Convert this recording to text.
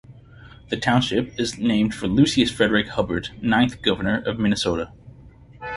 The township is named for Lucius Frederick Hubbard, ninth Governor of Minnesota.